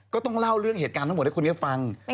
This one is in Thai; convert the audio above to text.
ก็ต้องเล่าเรื่องเหตุการณ์ทั้งหมดให้คนนี้ฟัง